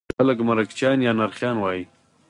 دوی ته په ولس کې خلک مرکچیان یا نرخیان وایي.